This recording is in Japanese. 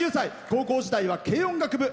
高校時代は軽音楽部。